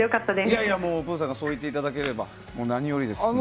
いやいやもう、ぷぅさんがそう言っていただけるなら何よりです。